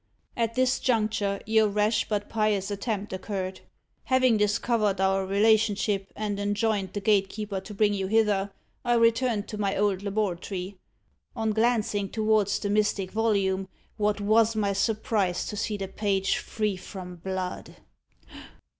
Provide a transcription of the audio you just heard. At this juncture, your rash but pious attempt occurred. Having discovered our relationship, and enjoined the gatekeeper to bring you hither, I returned to my old laboratory. On glancing towards the mystic volume, what was my surprise to see the page free from blood!"